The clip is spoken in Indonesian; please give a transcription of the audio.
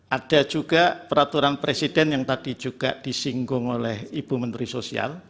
ada juga peraturan presiden yang tadi juga disinggung oleh ibu menteri sosial